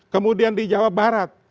kemudian di jawa barat